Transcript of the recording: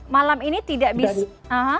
malam ini tidak bisa